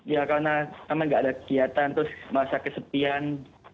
ya karena nggak ada kegiatan terus masa kesepian